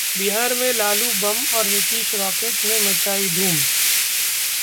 बिहार में 'लालू बम' और 'नीतीश रॉकेट' ने मचाई धूम